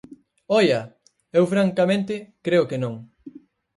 ¡Oia!, eu francamente creo que non.